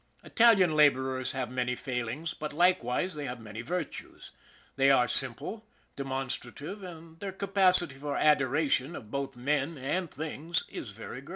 Italian laborers have many failings, but likewise they have many virtues. They are simple, demonstra tive, and their capacity for adoration of both men and things is very great.